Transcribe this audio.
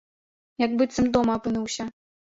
Як быццам дома апынуўся.